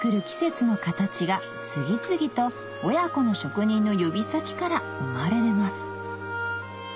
季節の形が次々と親子の職人の指先から生まれ出ます